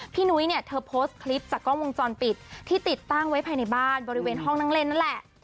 นุ้ยเนี่ยเธอโพสต์คลิปจากกล้องวงจรปิดที่ติดตั้งไว้ภายในบ้านบริเวณห้องนั่งเล่นนั่นแหละ